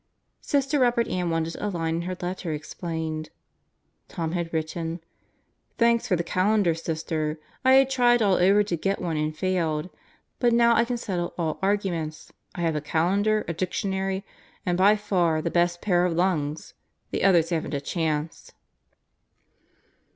Sister Robert Ann wanted a line in her letter explained. Tom had written: "Thanks for the calendar, Sister! I had tried all over to get one and failed. But now I can settle all arguments: I have a calendar, a dictionary, and by far the best pair of lungs. The others haven't a chance."